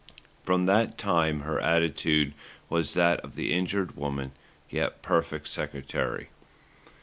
From that time her attitude was that of the injured woman, yet perfect secretary.